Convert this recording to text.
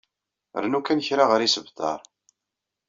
Rnu kan ɣer kra n yisebtar.